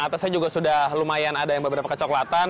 atasnya juga sudah lumayan ada yang beberapa kecoklatan